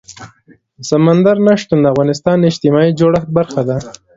سمندر نه شتون د افغانستان د اجتماعي جوړښت برخه ده.